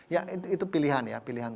ya itu pilihan ya pilihan